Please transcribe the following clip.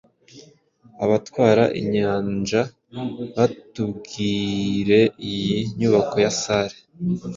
Abatwara inyanja batubwireiyi nyubako ya salle